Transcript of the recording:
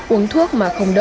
uống thuốc mà không đỡ